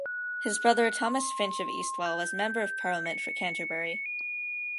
His brother Thomas Finch of Eastwell was Member of Parliament for Canterbury.